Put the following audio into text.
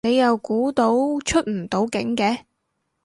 你又估到出唔到境嘅